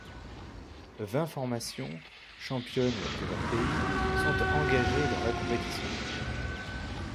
Vingt formations, championnes de leur pays, sont engagées dans la compétition.